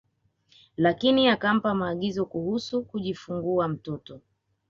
Lakini akampa maagizo kuhusu kujifungua mtoto